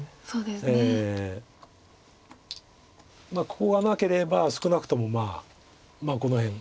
ここがなければ少なくともこの辺。